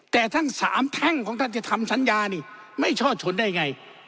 แต่ทั้งสามแท่งของทัศน์ธรรมสัญญานี่ไม่ชอบชนได้ยังไง